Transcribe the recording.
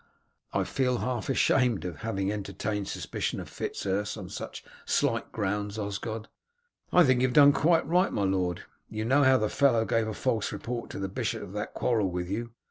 "I feel half ashamed of having entertained a suspicion of Fitz Urse on such slight grounds, Osgod." "I think you have done quite right, my lord. You know how the fellow gave a false report to the bishop of that quarrel with you.